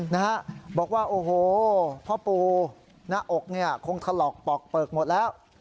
นะฮะบอกว่าโอ้โหพ่อปูหน้าอกเนี่ยคงถลอกปอกเปลือกหมดแล้ว